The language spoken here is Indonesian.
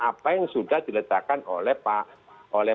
apa yang sudah diletakkan oleh